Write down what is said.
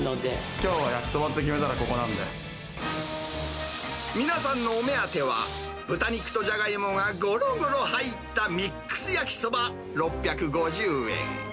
きょうは焼きそばって決めた皆さんのお目当ては、豚肉とジャガイモがごろごろ入ったミックスやきそば６５０円。